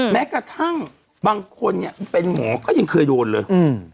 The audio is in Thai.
แม้กระทั่งบางคนเนี่ยเป็นหมอก็ยังเคยโดนเลยอืม